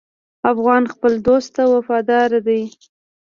افغان خپل دوست ته وفادار دی.